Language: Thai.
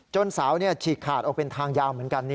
สาวฉีกขาดออกเป็นทางยาวเหมือนกัน